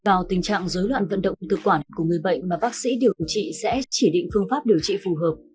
tùy vào tình trạng dối loạn vận động thực quản của người bệnh mà bác sĩ điều trị sẽ chỉ định phương pháp điều trị phù hợp